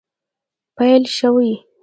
پیل شوي